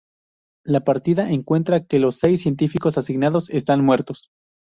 La partida encuentra que los seis científicos asignados están muertos.